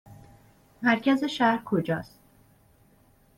مرکز شهر کجا است؟